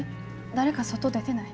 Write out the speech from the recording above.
誰か外出てない？